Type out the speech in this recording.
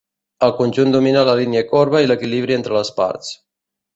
Al conjunt domina la línia corba i l'equilibri entre les parts.